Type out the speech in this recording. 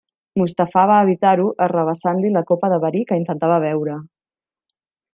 Mustafà va evitar-ho arrabassant-li la copa de verí que intentava beure.